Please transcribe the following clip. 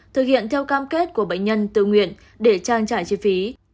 thực hiện theo cam kết của bệnh nhân tự nguyện để trang trải chi phí